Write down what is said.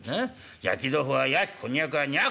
焼き豆腐は焼きこんにゃくはにゃく。